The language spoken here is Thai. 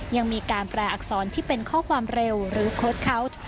ยังมีการแปลอักษรที่เป็นข้อความเร็วหรือโค้ดคาวส์